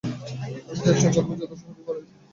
আমি চেষ্টা করব যতোটা সহজে পারা যায়, বলার।